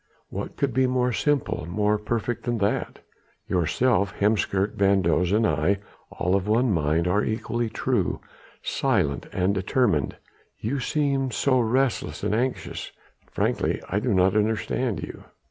What could be more simple, more perfect than that? Yourself, Heemskerk, van Does and I ... all of one mind ... all equally true, silent and determined.... You seem so restless and anxious.... Frankly I do not understand you."